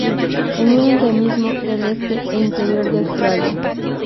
Es un endemismo del este e interior de Australia.